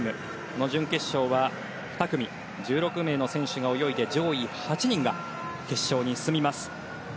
この準決勝は２組１６名の選手が泳いで上位８人が決勝に進みます。